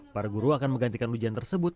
para guru akan menggantikan ujian tersebut